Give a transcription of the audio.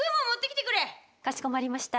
かしこまりました。